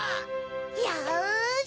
よし。